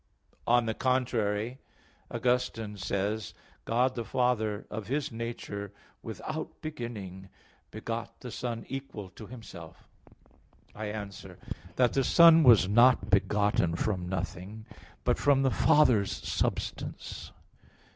On the contrary, Augustine (Fulgentius, De Fide ad Petrum i, 1) says: "God the Father, of His nature, without beginning, begot the Son equal to Himself." I answer that, The Son was not begotten from nothing, but from the Father's substance.